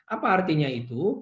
apa artinya itu